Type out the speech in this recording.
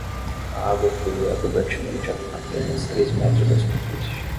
A água fluía abundantemente a apenas três metros da superfície.